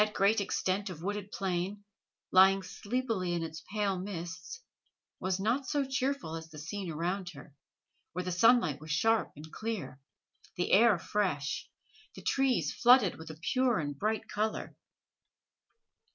That great extent of wooded plain, lying sleepily in its pale mists, was not so cheerful as the scene around her, where the sunlight was sharp and clear, the air fresh, the trees flooded with a pure and bright color.